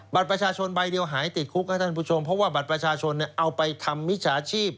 บัตรประชาชนใบเดียวหายติดคุกเพราะว่าบัตรประชาชนเอาไปทำมิจราชีพ